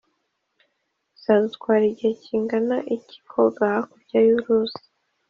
bizatwara igihe kingana iki koga hakurya y'uruzi?